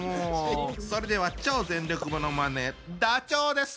それでは超全力ものまねダチョウです！